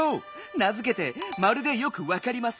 なづけて「まるでよくわかりマス」。